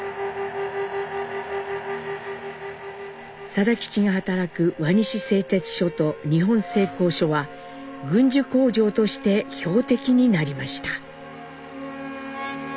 定吉が働く輪西製鉄所と日本製鋼所は軍需工場として標的になりました。